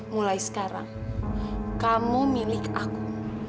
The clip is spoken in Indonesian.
mulai sekarang kamu milik aku